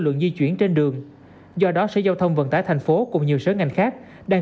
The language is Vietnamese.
lượng di chuyển trên đường do đó sở giao thông vận tải thành phố cùng nhiều sở ngành khác đang